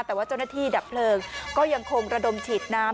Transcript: แต่ว่าเจ้าหน้าที่ดับเพลิงก็ยังคงระดมฉีดน้ำ